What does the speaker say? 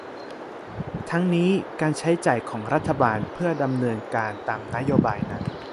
ทั้งนี้การใช้จ่ายของรัฐบาลเพื่อดำเนินการตามนโยบายนั้น